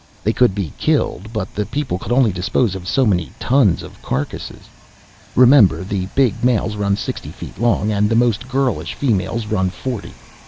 They could be killed, but the people could only dispose of so many tons of carcasses. Remember, the big males run sixty feet long, and the most girlish females run forty.